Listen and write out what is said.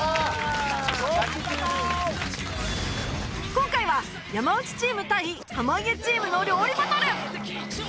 今回は山内チーム対濱家チームの料理バトル